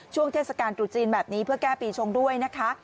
ช่วงเทศกาลตรุษจีนแบบนี้เพื่อแก้ปีชงด้วยนะคะ